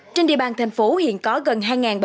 trên địa bàn thành phố hiện có gần